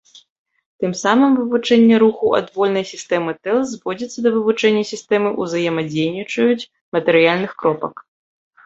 Тым самым вывучэнне руху адвольнай сістэмы тэл зводзіцца да вывучэння сістэмы ўзаемадзейнічаюць матэрыяльных кропак.